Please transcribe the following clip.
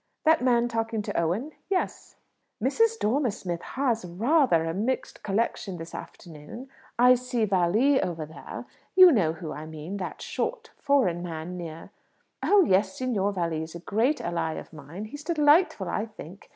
"That man talking to Owen? Yes." "Mrs. Dormer Smith has rather a mixed collection this afternoon. I see Valli over there. You know who I mean? That short, foreign man near " "Oh yes; Signor Valli is a great ally of mine. He's delightful, I think.